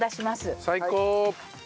最高！